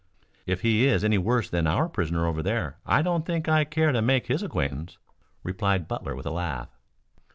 "If he is any worse than our prisoner over there, I don't think I care to make his acquaintance," replied Butler with a laugh.